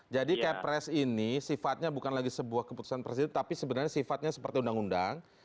jadi kepres ini sifatnya bukan lagi sebuah keputusan presiden tapi sebenarnya sifatnya seperti undang undang